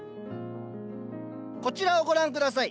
こちらをご覧下さい。